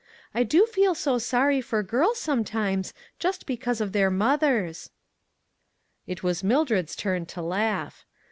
I do feel so sorry for girls, sometimes, just because of theirs mothers." It was Mildred's turn to laugh.